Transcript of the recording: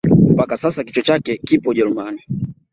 Mpaka sasa kichwa chake kipo ujerumani